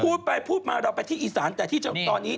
พูดไปพูดมาเราไปที่อีสานแต่ที่ตอนนี้